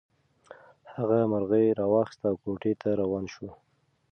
هغه مرغۍ راواخیسته او کوټې ته روان شو.